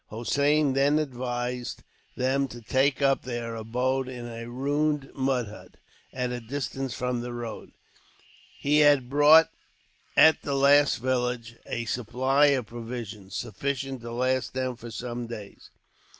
Hossein then advised them to take up their abode in a ruined mud hut, at a distance from the road. He had bought, at the last village, a supply of provisions, sufficient to last them for some days.